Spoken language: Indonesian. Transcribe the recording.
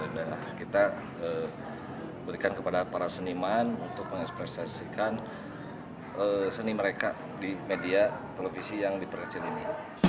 nah kita berikan kepada para seniman untuk mengekspresiasikan seni mereka di media televisi yang diperkecil ini